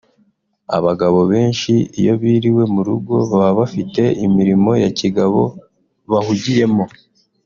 Abagabo benshi iyo biriwe mu rugo baba bafite imirimo ya kigabo bahugiyemo